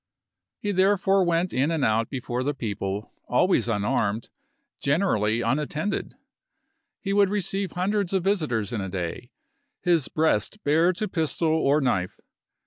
He therefore went in and out before the people, always unarmed, generally unattended. He would receive hundreds of visitors in a day, his breast bare to pistol or knife.